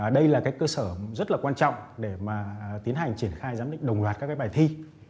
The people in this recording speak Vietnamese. đây là cái cơ sở rất là quan trọng để mà tiến hành triển khai giám định đồng loạt các cái bài thi